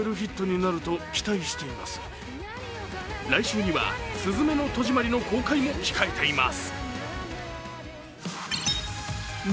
来週には「すずめの戸締まり」の公開も控えています。